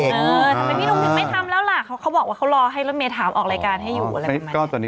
เออทำไมพี่หนุ่มไม่ทำแล้วล่ะเค้าบอกว่าเค้ารอให้เริ่มเมย์ถามออกรายการให้อยู่อะไรประมาณนี้